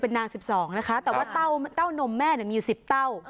เป็นนางสิบสองนะคะแต่ว่าเต้าเต้านมแม่เนี่ยมีสิบเต้า